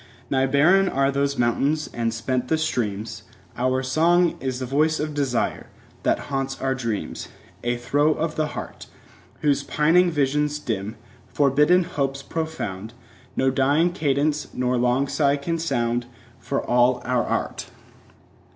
Nay, barren are those mountains and spent the streams: Our song is the voice of desire, that haunts our dreams, A throe of the heart, Whose pining visions dim, forbidden hopes profound, 10 No dying cadence nor long sigh can sound, For all our art.